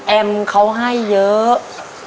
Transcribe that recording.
แอมเขาให้เยอะ